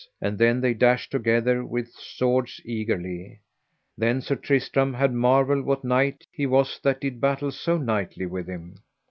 And then they dashed together with swords eagerly. Then Sir Tristram had marvel what knight he was that did battle so knightly with him.